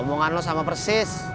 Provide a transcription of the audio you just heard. hubungan lo sama persis